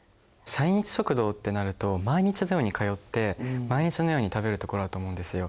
社員食堂ってなると毎日のように通って毎日のように食べる所だと思うんですよ。